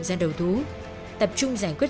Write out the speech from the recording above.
dân đầu thú tập trung giải quyết